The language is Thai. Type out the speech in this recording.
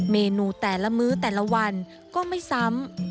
เมนูแต่ละมื้อแต่ละวันก็ไม่ซ้ำ